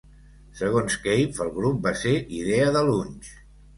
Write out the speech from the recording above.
Segons Cave, el grup va ser idea de Lunch.